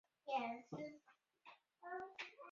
海沟是大洋地壳与大陆地壳之间的接触过渡带。